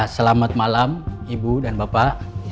selamat malam ibu dan bapak